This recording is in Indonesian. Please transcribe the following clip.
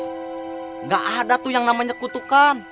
tidak ada tuh yang namanya kutukan